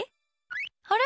あれ？